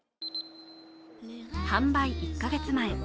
販売１か月前。